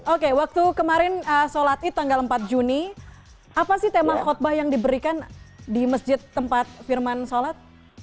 oke waktu kemarin sholat id tanggal empat juni apa sih tema khutbah yang diberikan di masjid tempat firman sholat